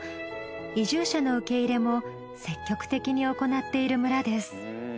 移住者の受け入れも積極的におこなっている村です。